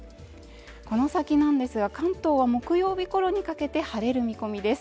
この先なんですが関東は木曜日ごろにかけて晴れる見込みです